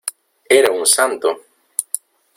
¡ era un santo!